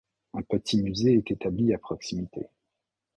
Un petit musée est établi à proximité.